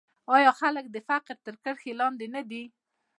آیا خلک د فقر تر کرښې لاندې دي؟